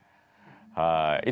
はい。